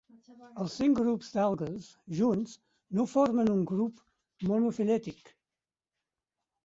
Els cinc grups d'algues junts no formen un grup monofilètic.